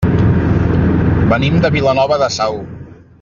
Venim de Vilanova de Sau.